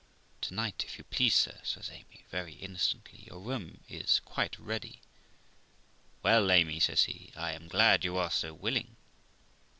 'To night, if you please, sir ', says Amy very innocently ;, your room is quite ready.' ' Well, Amy ', says he, ' I am glad you are so willing.'